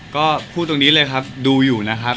ก็พูดตรงนี้เลยครับดูอยู่นะครับ